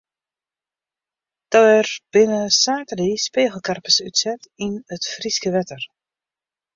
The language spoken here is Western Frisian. Der binne saterdei spegelkarpers útset yn it Fryske wetter.